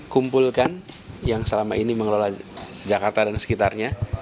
kumpulkan yang selama ini mengelola jakarta dan sekitarnya